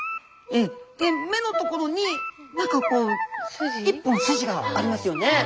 で目の所に何かこう１本筋がありますよね。